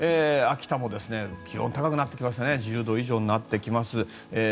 秋田も気温が高くなってきました１０度以上になってきます。